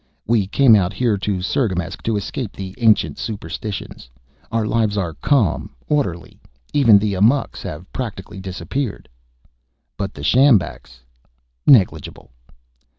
"We came out here to Cirgamesç to escape the ancient superstitions. Our lives are calm, orderly. Even the amoks have practically disappeared." "But the sjambaks " "Negligible."